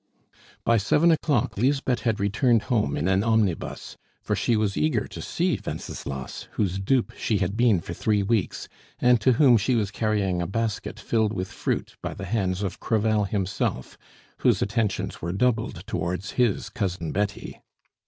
By seven o'clock Lisbeth had returned home in an omnibus, for she was eager to see Wenceslas, whose dupe she had been for three weeks, and to whom she was carrying a basket filled with fruit by the hands of Crevel himself, whose attentions were doubled towards his Cousin Betty.